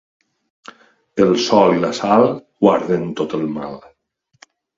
El sol i la sal guarden de tot mal.